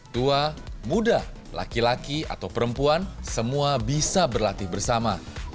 tua muda laki laki atau perempuan semua bisa berlatih bersama